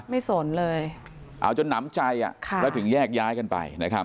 สนเลยเอาจนหนำใจแล้วถึงแยกย้ายกันไป